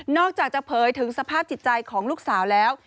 อกจากจะเผยถึงสภาพจิตใจของลูกสาวแล้ว